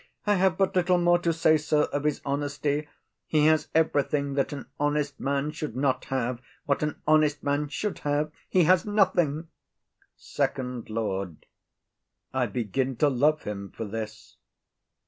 I have but little more to say, sir, of his honesty; he has everything that an honest man should not have; what an honest man should have, he has nothing. FIRST LORD. I begin to love him for this.